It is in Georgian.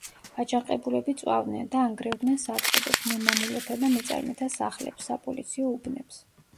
აჯანყებულები წვავდნენ და ანგრევდნენ საწყობებს, მემამულეთა და მეწარმეთა სახლებს, საპოლიციო უბნებს.